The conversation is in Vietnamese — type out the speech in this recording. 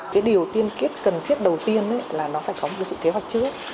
cái điều tiên kiết cần thiết đầu tiên là nó phải có một sự kế hoạch trước